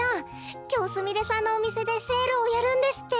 きょうすみれさんのおみせでセールをやるんですって。